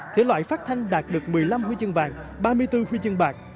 thể loại phát thanh đạt được một mươi năm huy chương vàng ba mươi bốn huy chương bạc